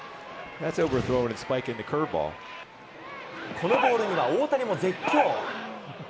このボールには大谷も絶叫。